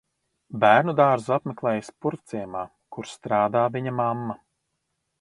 Bērnudārzu apmeklējis Purvciemā, kur strādā viņa mamma.